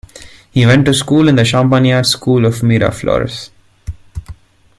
He went to school in the Champagnat School of Miraflores.